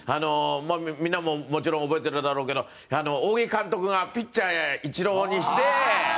みんなも、もちろん覚えてるだろうけど仰木監督がピッチャー、イチローにして。